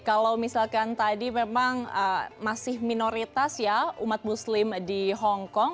kalau misalkan tadi memang masih minoritas ya umat muslim di hongkong